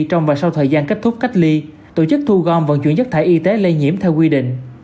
trong và sau thời gian kết thúc cách ly tổ chức thu gom vận chuyển chất thải y tế lây nhiễm theo quy định